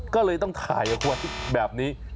ก็เลยต้องถ่ายเอาไว้แบบนี้